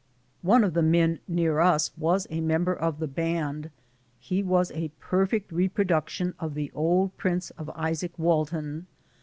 One of the men near us was a member of the band. He was a perfect reproduction of the old prints of Izaak Walton.